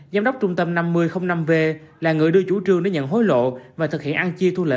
giám đốc trung tâm năm nghìn năm v là người đưa chủ trương đến nhận hối lộ và thực hiện ăn chia thu lễ